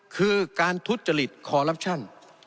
คือการทุจริตคอลลับชั่น